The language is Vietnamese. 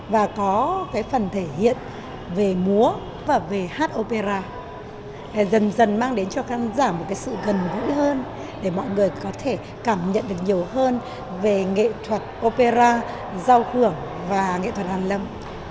và có cái phần thể hiện về múa và về hát opera dần dần mang đến cho khán giả một cái sự gần gũi hơn để mọi người có thể cảm nhận được nhiều hơn về nghệ thuật opera giao hưởng và nghệ thuật hàn lâm